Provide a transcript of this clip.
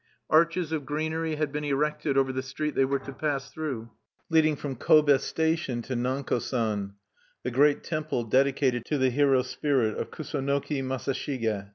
Arches of greenery had been erected over the street they were to pass through, leading from Kobe station to Nanko San, the great temple dedicated to the hero spirit of Kusunoki Masashige.